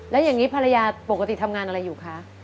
แล้วอย่างนี้ภรรยาปกติทำงานอะไรอยู่คะ